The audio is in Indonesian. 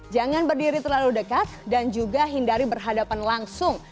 jangan berdiri terlalu dekat dan juga hindari berhadapan langsung